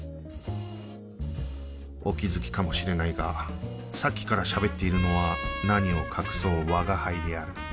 お気づきかもしれないがさっきからしゃべっているのは何を隠そう吾輩である